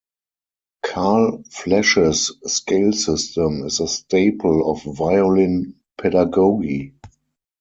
Carl Flesch's "Scale System" is a staple of violin pedagogy.